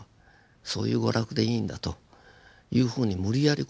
そういう娯楽でいいんだというふうに無理やりこれはね